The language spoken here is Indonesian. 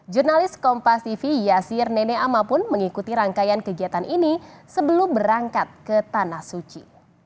jurnalis kompas tv yasir nenek ama pun mengikuti rangkaian kegiatan ini sebelum berangkat ke tanah suci